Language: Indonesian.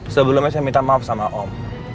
sebelumnya saya minta maaf sama om